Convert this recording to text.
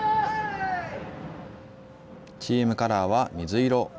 チームカラーは水色。